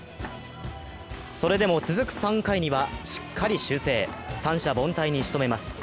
それでも続く３回にはしっかり修正三者凡退にしとめます。